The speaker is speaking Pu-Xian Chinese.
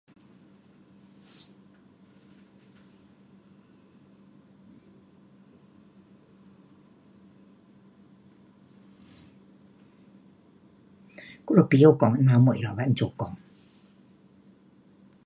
我不会讲那种东西怎么讲